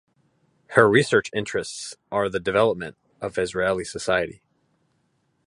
Her research interests are the development of Israeli society.